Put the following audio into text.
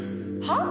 はあ？